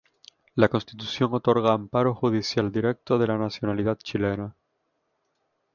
La Constitución otorga amparo judicial directo de la nacionalidad chilena.